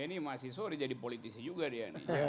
ini mahasiswa udah jadi politisi juga dia nih